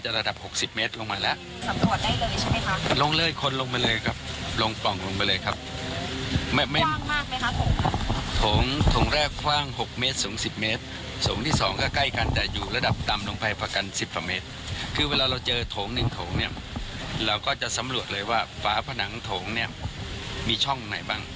เจอโถงนึงโถงเนี่ยเราก็จะสำรวจเลยว่าฟ้าผนังโถงเนี่ยมีช่องไหนบ้าง